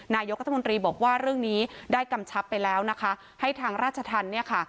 นายกรัฐมนตรีบอกว่าเรื่องนี้ได้กำชับไปแล้วนะคะให้ทางราชธรรมเนี่ยค่ะ